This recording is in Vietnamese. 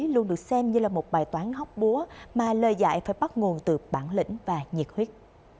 luôn được xem như là một bài toán hóc búa mà lời dạy phải bắt nguồn từ bản lĩnh và nhiệt huyết